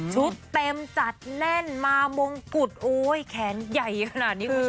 ชุดเต็มจัดแน่นมามวงกุฎโอ้ยแขนใหญ่ขนาดนี้คุณผู้ชมค่ะ